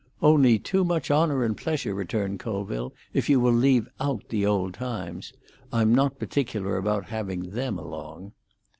"Only too much honour and pleasure," returned Colville, "if you will leave out the old times. I'm not particular about having them along."